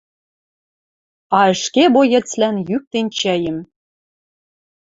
А ӹшке боецлӓн йӱктен чӓйӹм